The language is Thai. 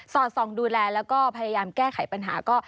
อดส่องดูแลแล้วก็พยายามแก้ไขปัญหาก็